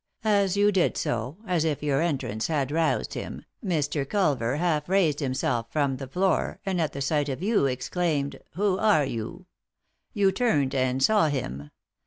As you did so, as if your entrance had roused him, Mr. Culver half raised himself from the floor, and, at the sight of you, exclaimed, ' Who are you ?' You turned and saw him.